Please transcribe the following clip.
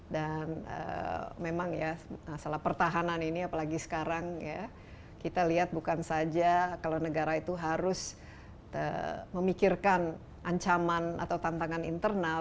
dan memang ya masalah pertahanan ini apalagi sekarang ya kita lihat bukan saja kalau negara itu harus memikirkan ancaman atau tantangan internal